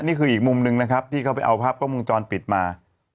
นี่คืออีกมุมหนึ่งนะครับที่เขาไปเอาภาพกล้องวงจรปิดมา